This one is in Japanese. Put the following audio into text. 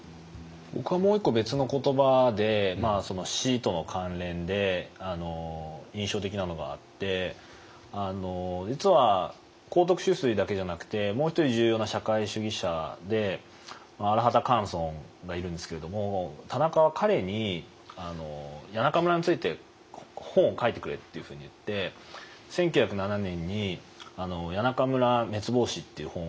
僕はもう一個別の言葉でその死との関連で印象的なのがあって実は幸徳秋水だけじゃなくてもう一人重要な社会主義者で荒畑寒村がいるんですけれども田中は彼に「谷中村について本を書いてくれ」っていうふうに言って１９０７年に「谷中村滅亡史」っていう本が出てるんですね。